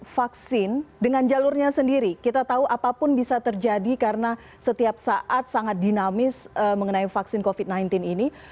vaksin dengan jalurnya sendiri kita tahu apapun bisa terjadi karena setiap saat sangat dinamis mengenai vaksin covid sembilan belas ini